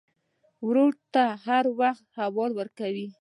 ورور ته هر وخت احوال ورکوې.